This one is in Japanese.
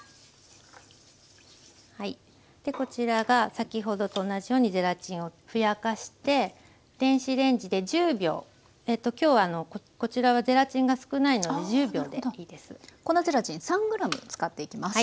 でこちらが先ほどと同じようにゼラチンをふやかして電子レンジで１０秒今日はあのこちらはゼラチンが少ないので１０秒でいいです。